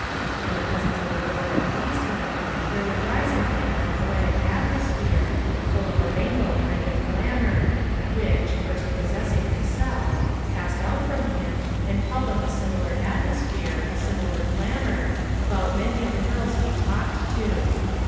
In the presence of a girl that pleased him, there would rise in him a poetic atmosphere, full of a rainbow kind of glamour, which, first possessing himself, passed out from him and called up a similar atmosphere, a similar glamour, about many of the girls he talked to.